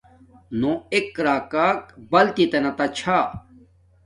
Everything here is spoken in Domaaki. نو ایک راکاک بلتت تا چھا